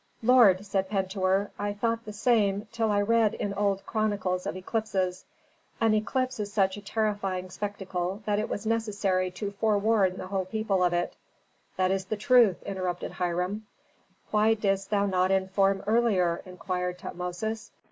"Lord," said Pentuer, "I thought the same till I read in old chronicles of eclipses. An eclipse is such a terrifying spectacle that it was necessary to forewarn the whole people of it " "That is the truth!" interrupted Hiram. "Why didst thou not inform earlier?" inquired Tutmosis.